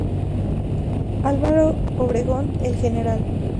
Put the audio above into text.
Álvaro Obregón, el Gral.